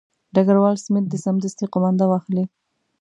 ډګروال سمیت دې سمدستي قومانده واخلي.